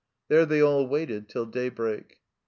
There they all waited till daybreak.